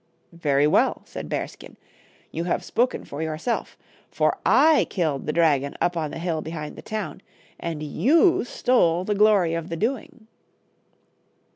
" Very well," said Bearskin, " you have spoken for yourself. For I killed the dragon up on the hill behind the town, and you stole the glory of the doing."